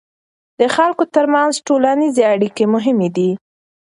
د خلکو ترمنځ ټولنیزې اړیکې مهمې دي.